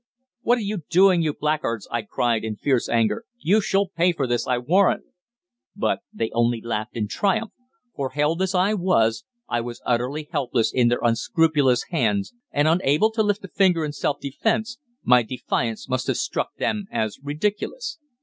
"What are you doing, you blackguards?" I cried in fierce anger. "You shall pay for this, I warrant." But they only laughed in triumph, for, held as I was, I was utterly helpless in their unscrupulous hands and unable to lift a finger in self defence, my defiance must have struck them as ridiculous.